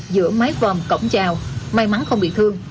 giữa mái vòm cổng trào may mắn không bị thương